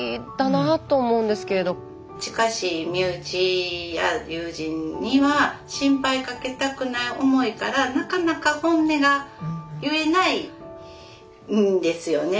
近しい身内や友人には心配かけたくない思いからなかなか本音が言えないんですよね。